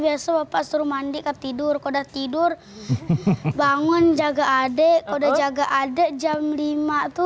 biasa bapak suruh mandi ke tidur kode tidur bangun jaga adik kode jaga adek jam lima tuh